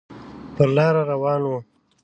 پر لار روان و.